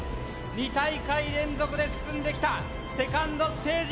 ２大会連続で進んできたセカンドステージ